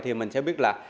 thì mình sẽ biết là